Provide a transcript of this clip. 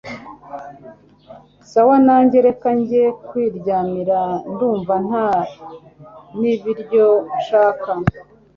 sawa nanjye reka njye kwiryamira ndumva nta nibiryo nshaka